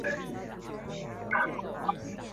这部电影也改编自他在小联盟的经历。